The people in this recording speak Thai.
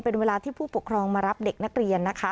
เป็นเวลาที่ผู้ปกครองมารับเด็กนักเรียนนะคะ